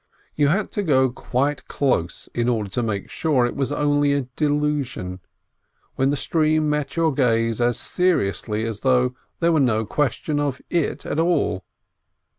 You had to go quite close in order to make sure it was only a delusion, when the stream met your gaze as seriously as though there were no question of it at all.